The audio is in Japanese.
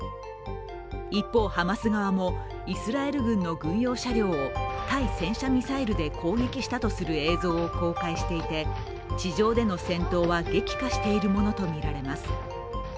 一方、ハマス側も、イスラエル軍の軍用車両を対戦車ミサイルで攻撃したとする映像を公開していて、地上での戦闘は激化しているものとみられます